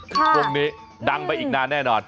ช่วงนี้ดังไปอีกนานแน่นอน